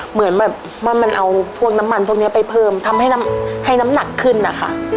เหมือนแบบว่ามันเอาพวกน้ำมันพวกนี้ไปเพิ่มทำให้ให้น้ำหนักขึ้นนะคะ